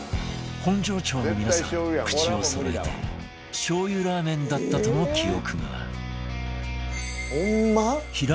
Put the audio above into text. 本庄町の皆さん口をそろえてしょうゆラーメンだったとの記憶がある